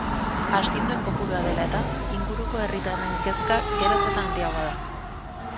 Astinduen kopurua dela eta, inguruko herritarren kezka geroz eta handiagoa da.